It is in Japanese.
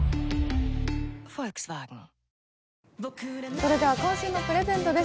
それでは、今週のプレゼントです。